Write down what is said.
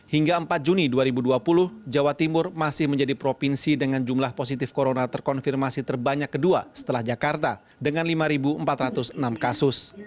hingga empat juni dua ribu dua puluh jawa timur masih menjadi provinsi dengan jumlah positif corona terkonfirmasi terbanyak kedua setelah jakarta dengan lima empat ratus enam kasus